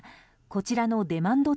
こちらのデマンド